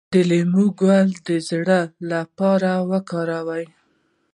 د لیمو ګل د زړه لپاره وکاروئ